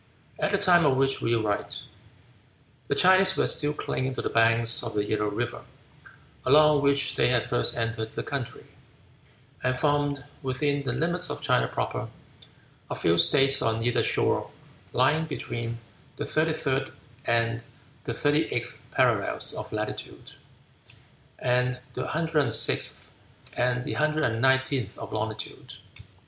At the time of which we write the Chinese were still clinging to the banks of the Yellow River, along which they had first entered the country, and formed, within the limits of China proper, a few states on either shore lying between the 33d and 38th parallels of latitude, and the 106th and 119th of longitude.